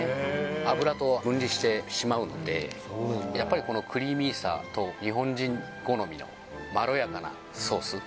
油と分離してしまうのでやっぱりこのクリーミーさと日本人好みのまろやかなソース